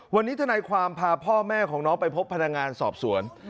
วันนี้ทนายความพาพ่อแม่ของน้องไปพบพนักงานสอบสวน